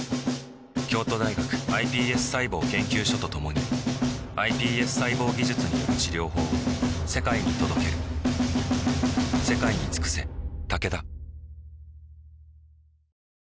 京都大学ｉＰＳ細胞研究所と共にｉＰＳ細胞技術による治療法を世界に届ける面白い遊びは半端な覚悟じゃ作れない